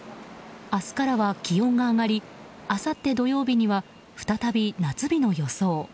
明日からは気温が上がりあさって土曜日には再び夏日の予想。